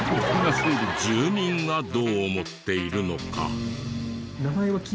住民はどう思っているのか。